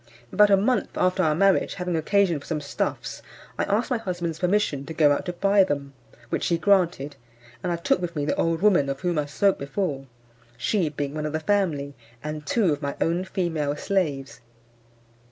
About a month after our marriage, having occasion for some stuffs, I asked my husband's permission to go out to buy them, which he granted; and I took with me the old woman of whom I spoke before, she being one of the family, and two of my own female slaves.